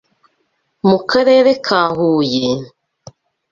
mu karere ka Huye,